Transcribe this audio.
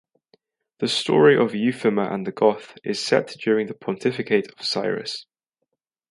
The story of "Euphemia and the Goth" is set during the pontificate of Cyrus.